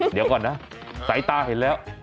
เดี๋ยวก่อนนะสายตาเห็นแล้ว